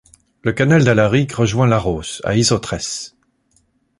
Le canal d'Alaric rejoint l'Arros à Izotges.